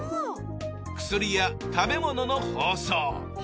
薬や食べ物の包装。